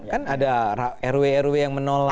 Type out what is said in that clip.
kan ada rw rw yang menolak